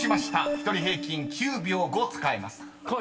１人平均９秒５使えます］